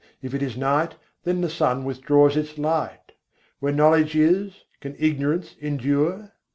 If it is night, then the sun withdraws its light. Where knowledge is, can ignorance endure?